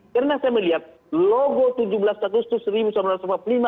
karena saya melihat logo tujuh belas agustus